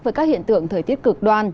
với các hiện tượng thời tiết cực đoan